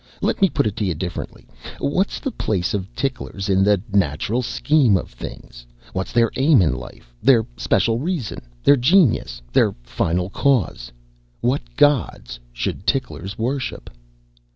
Let me put it to you differently. What's the place of ticklers in the natural scheme of things? What's their aim in life? Their special reason? Their genius? Their final cause? What gods should ticklers worship?"